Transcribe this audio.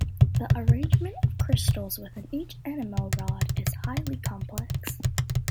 The arrangement of crystals within each enamel rod is highly complex.